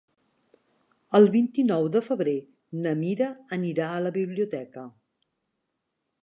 El vint-i-nou de febrer na Mira anirà a la biblioteca.